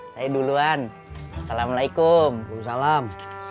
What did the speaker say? saya duluan assalamualaikum salam